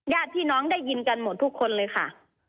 ญาติพี่น้องได้ยินกันหมดทุกคนเลยค่ะ